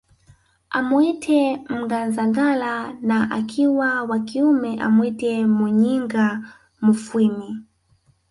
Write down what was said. Amuite Mnganzagala na akiwa wa kiume amwite Muyinga Mufwimi